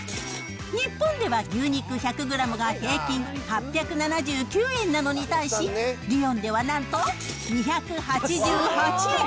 日本では牛肉１００グラムが平均８７９円なのに対し、リヨンではなんと、２８８円。